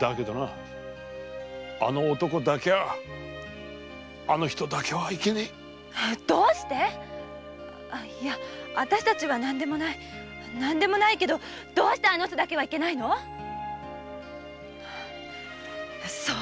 だけどなあの男だけはあの人だけはいけねぇどうしてあたしたちは何でもない何でもないけど。どうしてあの人だけはいけないのそうだわ。